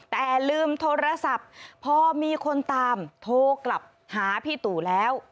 แต่ลืมโทรศัพท์พอมีคนตามโทรกลับหาพี่ตู่แล้ว